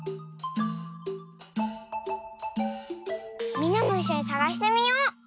みんなもいっしょにさがしてみよう！